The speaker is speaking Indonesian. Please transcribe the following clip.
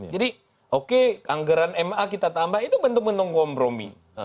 jadi oke anggaran ma kita tambah itu bentuk bentuk kompromi